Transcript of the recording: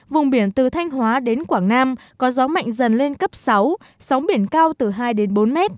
vùng biển từ thanh hóa đến quảng nam có gió mạnh dần lên cấp sáu sóng biển cao từ hai đến bốn mét